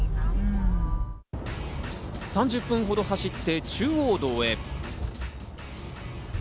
３０分ほど走って中央道へ。